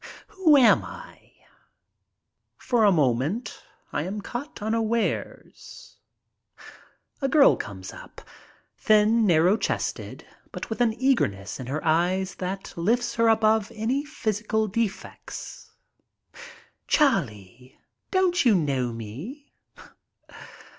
Who am I? For a moment I am caught unawares. A girl comes up — thin, narrow chested, but with an eager ness in her eyes that lifts her above any physical defects. "Charlie, don't you know me?"